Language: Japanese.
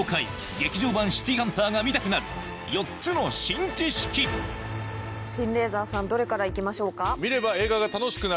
『劇場版シティーハンター』が見たくなる４つの新知識シンレーザーさんどれからいきましょうか？